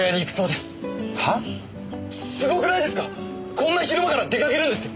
こんな昼間から出かけるんですよ。